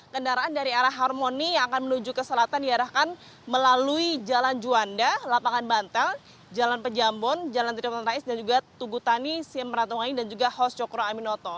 kendaraan dari arah harmoni yang akan menuju ke selatan diarahkan melalui jalan juanda lapangan bantal jalan pejambon jalan triton rais dan juga tugutani siam peratungangi dan juga hos cokro aminoto